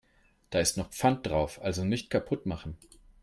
Da ist noch Pfand drauf, also nicht kaputt machen.